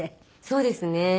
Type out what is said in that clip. そうですね。